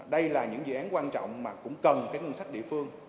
đây là những dự án quan trọng mà cũng cần cái ngân sách địa phương